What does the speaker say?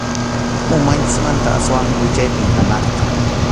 Umanchikmanta aswan wichaypim hanaqqa.